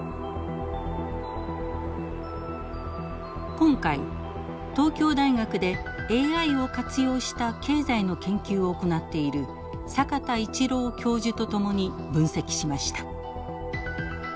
今回東京大学でＡＩを活用した経済の研究を行っている坂田一郎教授と共に分析しました。